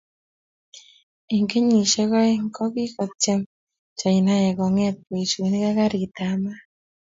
eng kenyishek aeng, kokikotiem Chinaek kongeet boishonik ak karit ab maat